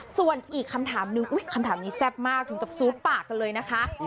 ส่วนอีกคำถามนึงคำถามนี้แซ่บมากถึงกับซูดปากกันเลยนะคะ